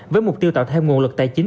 với mục tiêu tạo thêm nguồn lực tài chính